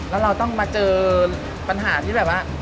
แล้วเราต้องมาเจอปัญหาที่แบบว่า